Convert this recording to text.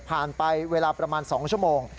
ไปเวลาประมาณ๒ชั่วโมง